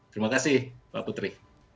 terima kasih mbak putri